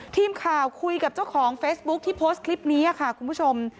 ทีมข่าวคุยกับเจ้าของเฟซบุ๊คที่โพสต์คลิปนี้ค่ะคุณผู้ชม